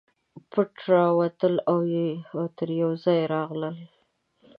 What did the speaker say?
پټه راووتله او تر یوه ځایه راغله.